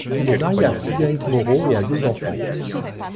Il est marié à Frédérique Moreau et a deux enfants.